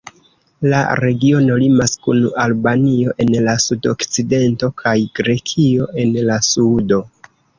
La regiono limas kun Albanio en la sudokcidento kaj Grekio en la sudo.